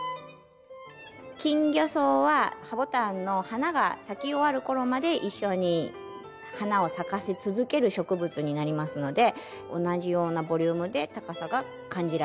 キンギョソウはハボタンの花が咲き終わる頃まで一緒に花を咲かせ続ける植物になりますので同じようなボリュームで高さが感じられる。